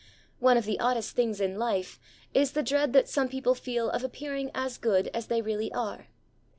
One of the oddest things in life is the dread that some people feel of appearing as good as they really are.